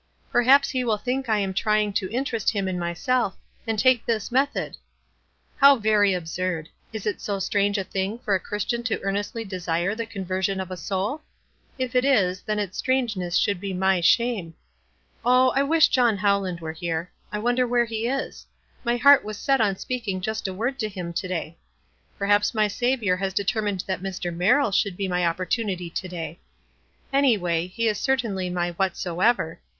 Perhaps he will think I am trying to interest him in myself, and take this method. How very absurd ! Is it so strange a thing for a Christian to earnestly desire the conversion of a sonl? If it is, then its strange ness should be my shame. Oh, I wish John Howland were here. I wonder where he »s? My heart was set on speaking just a word tc him to day. Perhaps my Saviour has deter mined that Mr. Merrill should be my opportunity to day. Anyway, he is certainly my 'Whatso ever.'